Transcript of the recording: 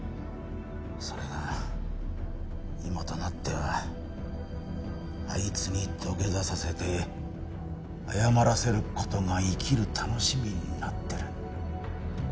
それが今となってはあいつに土下座させて謝らせる事が生きる楽しみになってる。